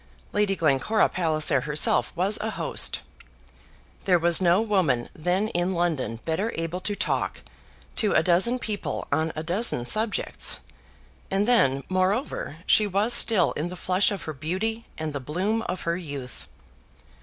Lady Glencora Palliser herself was a host. There was no woman then in London better able to talk to a dozen people on a dozen subjects; and then, moreover, she was still in the flush of her beauty and the bloom of her youth.